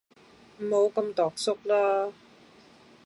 唔好咁庹縮啦